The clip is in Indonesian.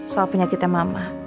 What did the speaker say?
soal penyakitnya mama